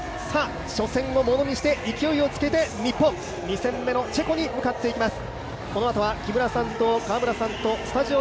初戦をものにして勢いをつけて、日本、２戦目のチェコに向かっていきます。